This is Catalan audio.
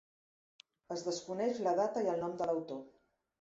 Es desconeix la data i el nom de l'autor.